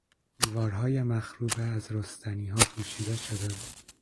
دیوارهای مخروبه از رستنیها پوشیده شده بود.